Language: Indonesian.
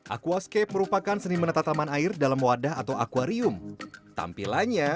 aquascape merupakan seni meneta taman air dalam wadah atau akwarium tampilannya